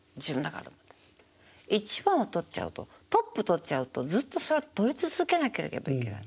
一番を取っちゃうとトップ取っちゃうとずっとそれ取り続けなければいけない。